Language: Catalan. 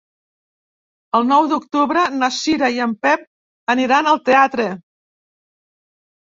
El nou d'octubre na Cira i en Pep aniran al teatre.